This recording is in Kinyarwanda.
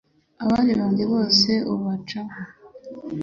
Abari abanjye bose ubancaho